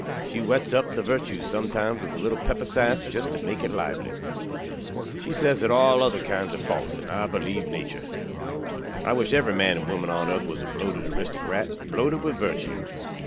She wets up the virtew, sumtimes, with a little pepper sass, just tew make it lively. She sez that all other kinds are false; and i beleave natur. I wish every man and woman on earth waz a bloated aristokrat bloated with virtew.